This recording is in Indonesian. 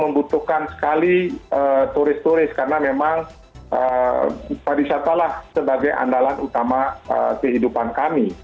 membutuhkan sekali turis turis karena memang perwisatalah sebagai andalan utama kehidupan kami